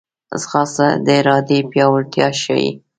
ځغاسته د ارادې پیاوړتیا ښيي